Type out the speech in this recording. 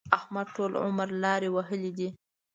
احمد ټول عمر لارې وهلې دي.